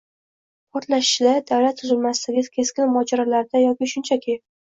portlashida, davlat tuzilmasidagi keskin mojarolarda yoki shunchaki